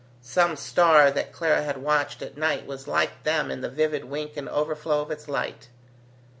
Some star that Clara had watched at night was like them in the vivid wink and overflow of its light.